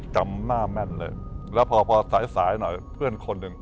จำหน้าแม่นเลยแล้วพอพอสายสายหน่อยเพื่อนคนหนึ่ง